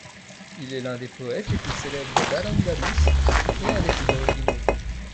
Il est l'un des poètes les plus célèbres d'Al-Andalus et un des plus originaux.